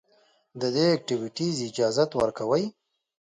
د دې ايکټويټيز اجازت ورکوي